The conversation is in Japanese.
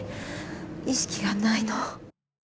意識がないの。